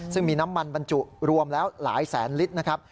ซึ่งมีน้ำมันบรรจุรวมแล้วหลายแสนลิตรนะครับ